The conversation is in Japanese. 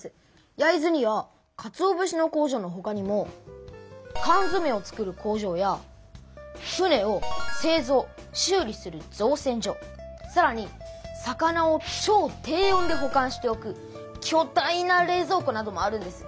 焼津にはかつお節の工場のほかにも缶詰を作る工場や船をせいぞうしゅう理する造船所さらに魚をちょう低温でほ管しておくきょ大な冷蔵庫などもあるんです。